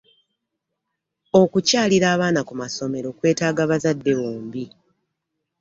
Okukyalira abaana ku masomero kwetaaga bazadde bombi.